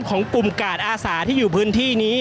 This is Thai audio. ก็น่าจะมีการเปิดทางให้รถพยาบาลเคลื่อนต่อไปนะครับ